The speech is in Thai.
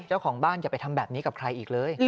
เจ้าของบ้านอย่าไปทำแบบนี้กับใครอีกเลย